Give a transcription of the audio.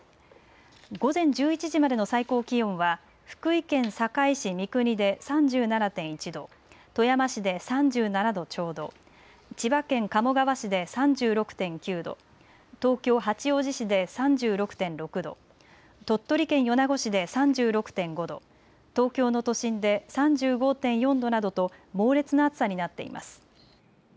午前１１時までの最高気温は福井県坂井市三国で３７．１度、富山市で３７度ちょうど、千葉県鴨川市で３６．９度、東京八王子市で３６．６度、鳥取県米子市で３６．５度、東京の都心で３５．４度などと猛烈な暑さになっています。